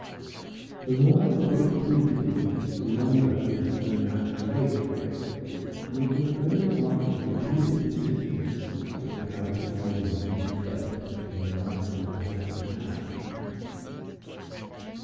The more a book pleased him, the longer did the owner have to wait for it; and it was only after repeated insistence that the coveted volume was placed in the rightful possessor's hands.